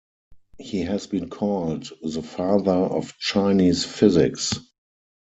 He has been called the Father of Chinese Physics.